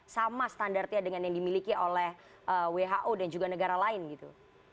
sama standarnya dengan yang dimiliki oleh who dan juga negara lain gitu